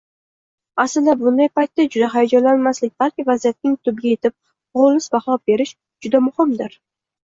Aslida, bunday paytda juda hayajonlanmaslik, balki vaziyatning tubiga yetib, xolis baho berish juda muhimdir